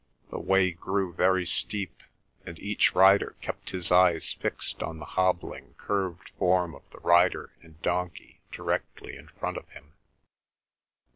The way grew very steep, and each rider kept his eyes fixed on the hobbling curved form of the rider and donkey directly in front of him.